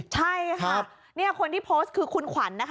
ใช่ค่ะนี่คนที่โพสต์คือคุณขวัญนะคะ